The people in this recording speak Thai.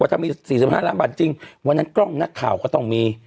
ถ้ามี๔๕ล้านบาทจริงวันนั้นกล้องนักข่าวก็ต้องมี